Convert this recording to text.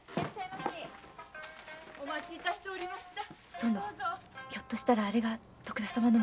殿ひょっとしたらあれが徳田様の申されていた。